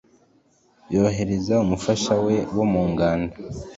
yohereza umufasha we wo mu ngando